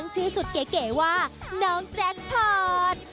ชื่อสุดเก๋ว่าน้องแจ็คพอร์ต